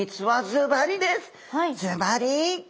ずばり。